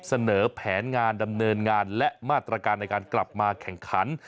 เสนอแผนงานดำเนินงานและมาตรการในการกลับมาแข่งขัน